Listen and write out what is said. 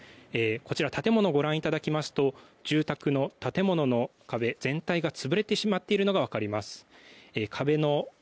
建物をご覧いただきますと住宅の壁全体が潰れてしまっているのが分かります。